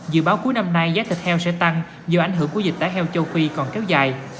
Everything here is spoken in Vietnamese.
dự báo cuối năm nay giá thịt heo sẽ tăng do ảnh hưởng của dịch tả heo châu phi còn kéo dài